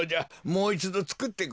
もういちどつくってくれ。